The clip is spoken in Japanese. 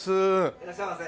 いらっしゃいませ。